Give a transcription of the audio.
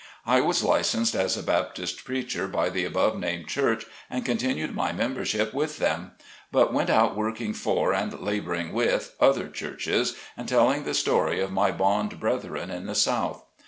I was licensed as a Baptist preacher by the above named church, and continued my membership with them ; but went out working for, and laboring with, other churches and telling the story of my bond brethren in the South.